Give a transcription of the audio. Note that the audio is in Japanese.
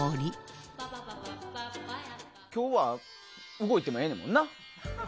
今日は、動いてもええねんな。